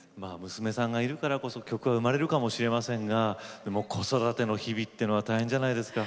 娘さんがいるからこそ曲が生まれるかもしれませんが子育ての日々大変じゃないですか。